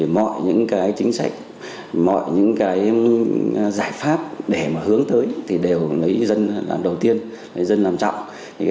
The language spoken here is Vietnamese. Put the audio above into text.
mọi những chính sách mọi những giải pháp để hướng tới thì đều lấy dân làm đầu tiên dân làm trọng